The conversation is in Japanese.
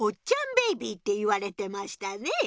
ベイビーって言われてましたね。